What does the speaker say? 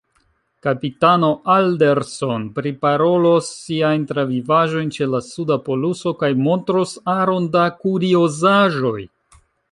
Kapitano Alderson priparolos siajn travivaĵojn ĉe la suda poluso kaj montros aron da kuriozaĵoj.